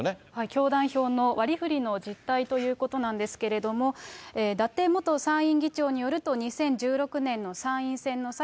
教団票の割りふりの実態ということなんですけれども、伊達元参院議長によると、２０１６年の参院選の際、